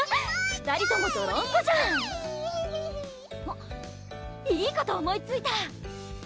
２人ともどろんこじゃんいいこと思いついた！